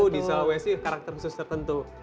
di sulawesi karakter khusus tertentu